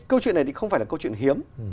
câu chuyện này thì không phải là câu chuyện hiếm